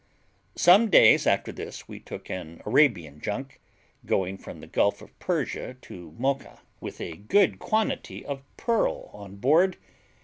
Some days after this we took an Arabian junk, going from the Gulf of Persia to Mocha, with a good quantity of pearl on board.